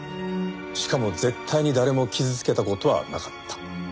しかも絶対に誰も傷つけた事はなかった。